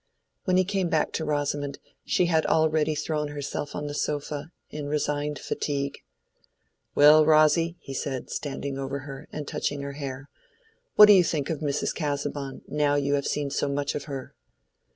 When he came back to Rosamond, she had already thrown herself on the sofa, in resigned fatigue. "Well, Rosy," he said, standing over her, and touching her hair, "what do you think of Mrs. Casaubon now you have seen so much of her?"